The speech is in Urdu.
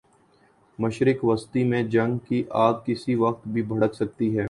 مشرق وسطی میں جنگ کی آگ کسی وقت بھی بھڑک سکتی ہے۔